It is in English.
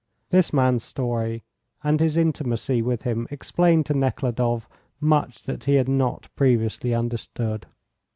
This man's story and his intimacy with him explained to Nekhludoff much that he had not previously understood.